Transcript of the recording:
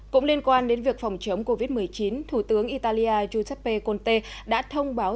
cũng liên quan đến việc phòng chống covid một mươi chín thủ tướng italia giuseppe conte đã thông báo